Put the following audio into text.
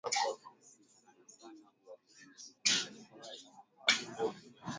Ya waasi wa kiislam mashariki mwa Kongo msemaji wa operesheni hiyo alisema.